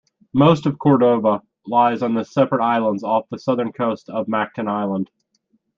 Most of Cordova lies on separate islands off the southern coast of Mactan Island.